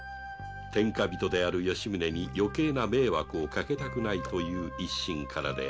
天下人である吉宗に余計な迷惑をかけたくないという一心からであった